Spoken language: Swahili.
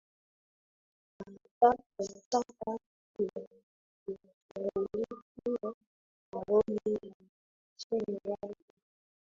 anataka kuyashughulikia maoni ya wananchi wake